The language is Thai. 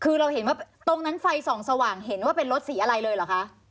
คือเราเห็นว่าตรงนั้นไฟส่องสว่างเห็นว่าเป็นรถสีอะไรเลยเหรอคะ